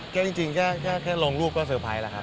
ก็จริงแค่ลงรูปก็เตอร์ไพรส์แล้วครับ